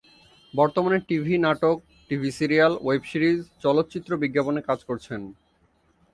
বর্তমানে টিভি নাটক, TV serial, web series, চলচ্চিত্র, বিজ্ঞাপনে কাজ করছেন।